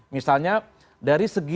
misalnya dari segi